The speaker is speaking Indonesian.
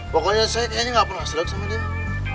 pokoknya saya kayaknya gak pernah sedot sama dia